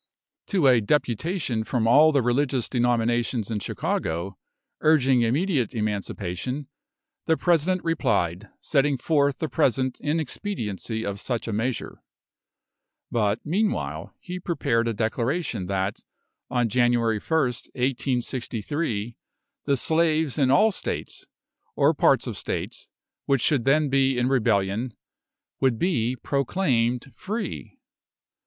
To a deputation from all the religious denominations in Chicago, urging immediate emancipation, the President replied, setting forth the present inexpediency of such a measure. But, meanwhile, he prepared a declaration that, on January 1st, 1863, the slaves in all states, or parts of states, which should then be in rebellion, would be proclaimed free.